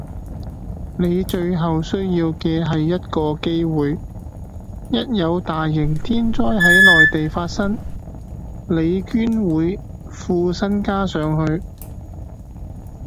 你最後需要既係一個機會，一有大型天災係內地發生，你捐會副身家上去